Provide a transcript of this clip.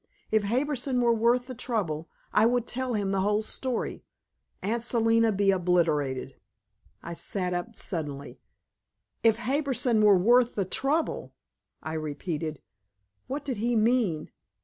If Harbison were worth the trouble, I would tell him the whole story, Aunt Selina be obliterated!" I sat up suddenly. "If Harbison were worth the trouble!" I repeated. What did he mean?